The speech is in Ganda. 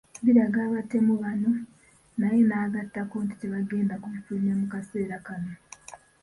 Biraga abatemu bano naye n’agattako nti tebagenda kubifulumya mu kaseera kano.